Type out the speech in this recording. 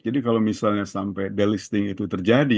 jadi kalau misalnya sampai delisting itu terjadi